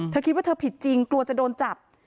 เธอคิดว่าเธอผิดจริงกลัวจะโดนจับ